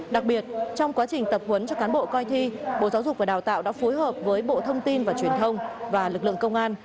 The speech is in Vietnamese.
đặc biệt trong quá trình tập huấn cho cán bộ coi thi bộ giáo dục và đào tạo đã phối hợp với bộ thông tin và truyền thông và lực lượng công an